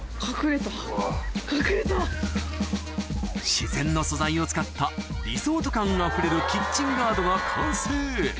自然の素材を使ったリゾート感あふれるキッチンガードが完成